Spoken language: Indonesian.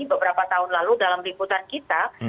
beberapa tahun lalu dalam liputan kita